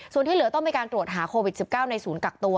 ส่วนที่เหลือต้องมีการตรวจหาโควิด๑๙ในศูนย์กักตัว